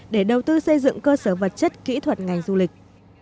để đầu tư xây dựng cơ sở vật chất kỹ thuật ngành du lịch